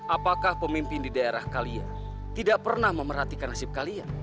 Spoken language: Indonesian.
apakah pemimpin di daerah kalian tidak pernah memerhatikan nasib kalian